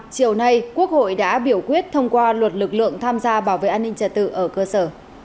chiều nay quốc hội đã biểu quyết thông qua luật lực lượng tham gia bảo vệ an ninh trật tự ở cơ sở